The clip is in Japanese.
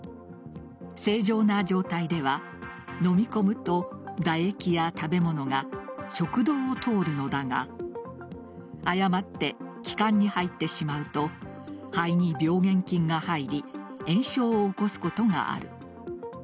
正常な状態では飲み込むと、唾液や食べ物が食道を通るのだが誤って気管に入ってしまうと肺に病原菌が入り炎症を起こすことがある。